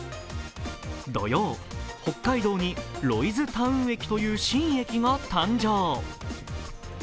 土曜、北海道にロイズタウン駅という新駅が誕生。